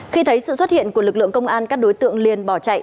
khi thấy sự xuất hiện của lực lượng công an các đối tượng liền bỏ chạy